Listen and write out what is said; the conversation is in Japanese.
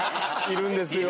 いるんですよ。